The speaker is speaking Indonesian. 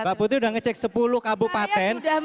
mbak putri sudah ngecek sepuluh kabupaten